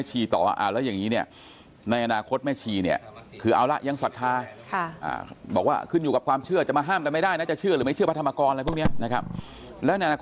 ให้อยู่กับปัจจุบัน